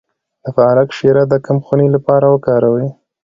د پالک شیره د کمخونۍ لپاره وکاروئ